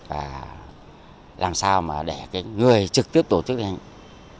và làm sao mà để cái người trực tiếp tổ chức thi hành